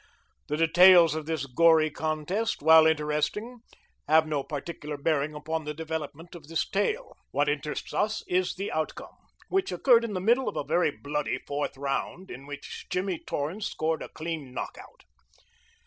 The details of this gory contest, while interesting, have no particular bearing upon the development of this tale. What interests us is the outcome, which occurred in the middle of a very bloody fourth round, in which Jimmy Torrance scored a clean knock out.